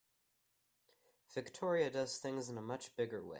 Victoria does things in a much bigger way.